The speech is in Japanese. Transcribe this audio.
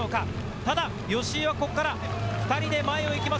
ただ吉居はここから２人で前をいきます。